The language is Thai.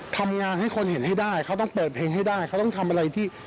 ถ้าเครื่องดื่มแอลกอฮอล์